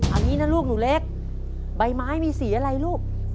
อันนี้นะลูกหนูเล็กใบไม้มีสีอะไรลูก